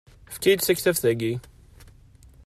Efk-iyi-d taktabt-agi.